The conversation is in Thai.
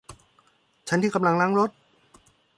ฉันที่กำลังล้างรถ